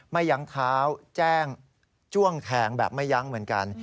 มะยังเท้าแจ้งจ้วงแทงอะแย่มะยังเหมือนกัน